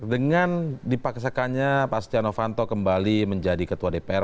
dengan dipaksakannya pak stiano fanto kembali menjadi ketua dpr